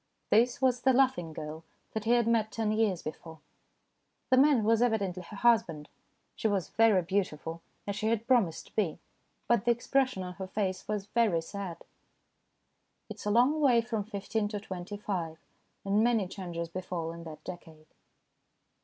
This was the laughing girl that he had met ten years before. The man was evidently her husband. She was very beautiful, as she had promised to be, but the expression on her face was very sad. It is a long way from fifteen to twenty five, and many changes befall in that decade.